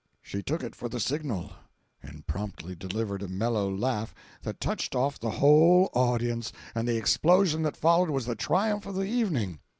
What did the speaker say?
She took it for the signal, and promptly delivered a mellow laugh that touched off the whole audience; and the explosion that followed was the triumph of the evening.